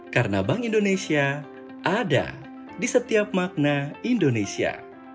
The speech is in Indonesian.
karena bank indonesia ada di setiap makna indonesia